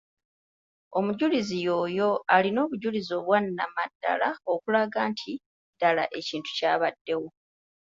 Omujulizi y'oyo alina obujulizi obwanamaddala obulaga nti ddala ekintu kyabaddewo.